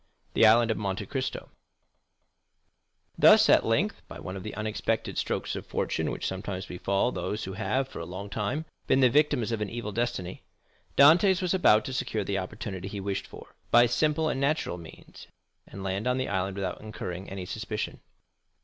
The Island of Monte Cristo Thus, at length, by one of the unexpected strokes of fortune which sometimes befall those who have for a long time been the victims of an evil destiny, Dantès was about to secure the opportunity he wished for, by simple and natural means, and land on the island without incurring any suspicion.